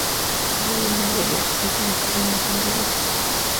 Solo hay una regla: es una carrera sin reglas.